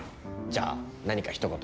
じゃあ何かひと言。